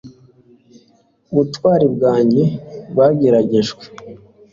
ubutwari bwanjye bwageragejwe